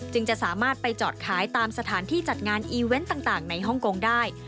จะสามารถไปจอดขายตามสถานที่จัดงานอีเวนต์ต่างในฮ่องกงได้